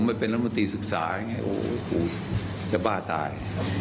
ไปเป็นรัฐมนตรีศึกษาอย่างนี้โอ้โหจะบ้าตาย